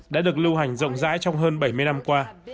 đã được lưu hành rộng rãi trong hơn bảy mươi năm qua